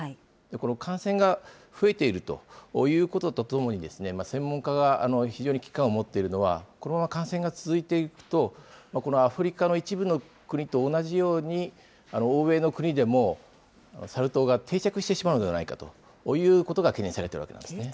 この感染が増えているということとともに、専門家が非常に危機感を持っているのは、このまま感染が続いていくと、このアフリカの一部の国と同じように、欧米の国でもサル痘が定着してしまうのではないかということが懸念されているわけなんですね。